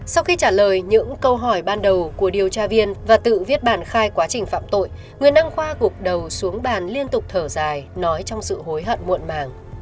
sau khi trả lời những câu hỏi ban đầu của điều tra viên và tự viết bản khai quá trình phạm tội nguyễn đăng khoa gục đầu xuống bàn liên tục thở dài nói trong sự hối hận muộn màng